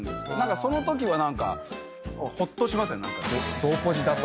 そのときは何かほっとしますよね同ポジだと。